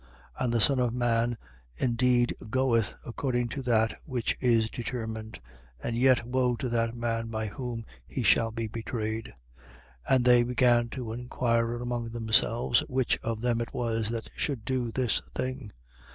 22:22. And the Son of man indeed goeth, according to that which is determined: but yet, woe to that man by whom he shall be betrayed. 22:23. And they began to inquire among themselves, which of them it was that should do this thing.